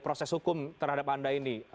proses hukum terhadap anda ini